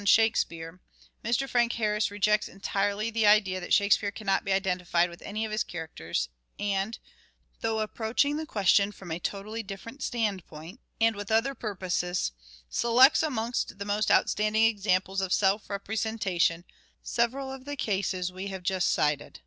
Shakespeare " Mr. Frank Harris rejects entirely the idea that Shakespeare cannot be identified with any of his characters ; and, though approaching the question from a totally different standpoint and with other purposes, selects amongst the most outstanding examples of self representation several of the cases we have just cited.